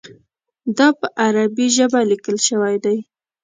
دا په عربي ژبه لیکل شوی دی.